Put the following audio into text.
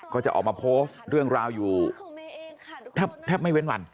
ก็จะออกมาโพสต์เรื่องราวอยู่แทบไม่เว้นวัน